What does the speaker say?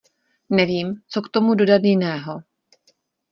Nevím, co k tomu dodat jiného.